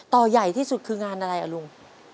ใหญ่ที่สุดคืองานอะไรอ่ะลุง